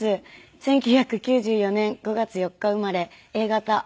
１９９４年５月４日生まれＡ型おうし座です。